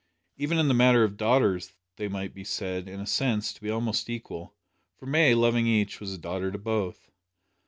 Even in the matter of daughters they might be said, in a sense, to be almost equal, for May, loving each, was a daughter to both.